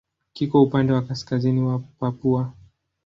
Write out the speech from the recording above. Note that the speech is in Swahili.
Kiko upande wa kaskazini wa Papua.